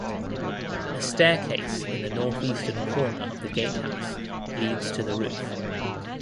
A staircase in the northeastern corner of the gatehouse leads to the roof.